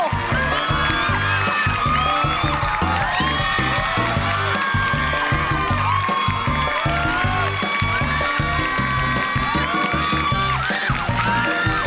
ว้าว